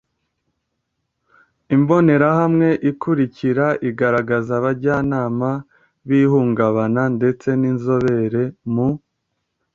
Imbonerahamwe ikurikira iragaragaza abajyanama b ihungabana ndetse n inzobere mu